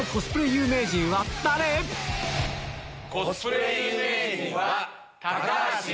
コスプレ有名人は。